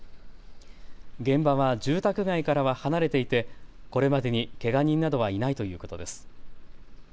現場は住宅街からは離れていてこれまでにけが人などはいないということです。